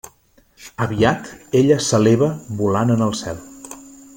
Aviat, ella s'eleva volant en el cel.